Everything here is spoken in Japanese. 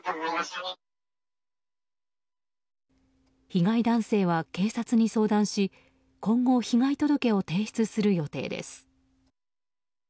被害男性は警察に相談し今後、被害届を提出する予定です。